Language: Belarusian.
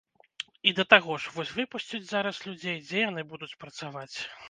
І да таго ж, вось выпусцяць зараз людзей, дзе яны будуць працаваць?